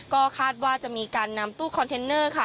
ก็คาดว่าจะมีการนำตู้คอนเทนเนอร์ค่ะ